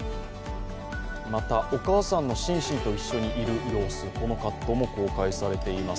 またお母さんのシンシンと一緒にいる様子、このカットも公開されています。